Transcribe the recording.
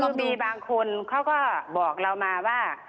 คือมีบางคนเขาก็บอกเรามาว่า